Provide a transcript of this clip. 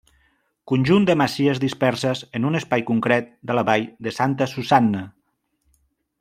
Conjunt de masies disperses en un espai concret de la vall de Santa Susanna.